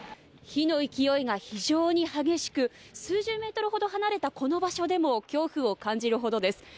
火の勢いが非常に激しく数十メートルほど離れたこの場所でも恐怖を感じるほどです。